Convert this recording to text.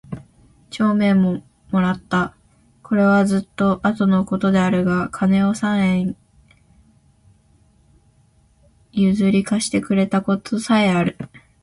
帳面も貰つた。是はずつと後の事であるが金を三円許り借してくれた事さへある。